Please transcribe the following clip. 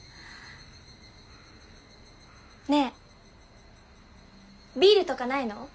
ねえビールとかないの？